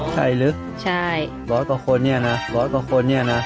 ใช่รึบอกต่อคนนี้นะบอกต่อคนนี้นะ